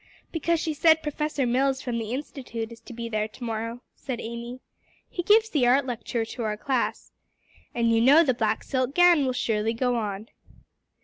"Because she said Professor Mills from the Institute is to be there to morrow," said Amy. "He gives the art lecture to our class. And you know the black silk gown will surely go on."